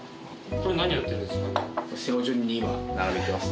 これ何やってんですかね？